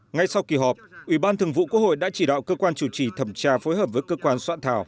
ngay sau kỳ họp ủy ban thường vụ quốc hội đã chỉ đạo cơ quan chủ trì thẩm tra phối hợp với cơ quan soạn thảo